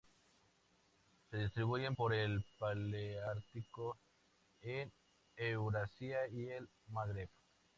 Se distribuyen por el paleártico en Eurasia y el Magreb.